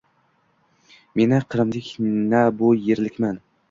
Men na qrimlik, na bu yerlikman.